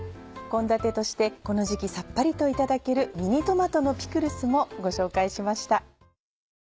献立としてこの時期さっぱりといただける「ミニトマトのピクルス」もご紹介しました。